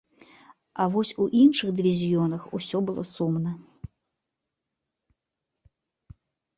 А вось у іншых дывізіёнах усё было сумна.